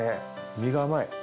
身が甘い。